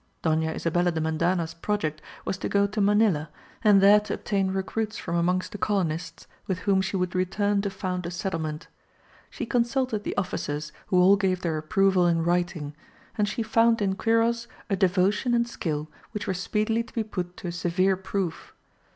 Doña Isabella de Mendana's project was to go to Manilla, and there to obtain recruits from amongst the colonists, with whom she would return to found a settlement. She consulted the officers, who all gave their approval in writing; and she found in Quiros a devotion and skill which were speedily to be put to a severe proof.